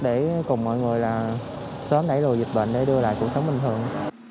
để cùng mọi người là sớm đẩy lùi dịch bệnh để đưa lại cuộc sống bình thường